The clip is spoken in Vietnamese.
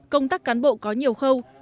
công tác cán bộ có nhiều khâu